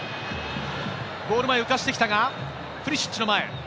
ゴール前、浮かしてきたが、プリシッチの前。